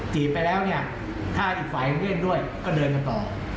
ไปแล้วเนี่ยถ้าอีกฝ่ายเล่นด้วยก็เดินกันต่อ